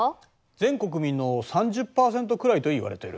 全国民の３０％くらいといわれている。